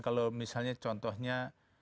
kalau misalnya contohnya